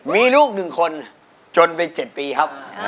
มีลูกหนึ่งคนจนไป๗ปีครับ